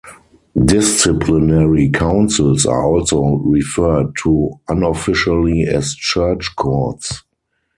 Disciplinary councils are also referred to unofficially as church courts.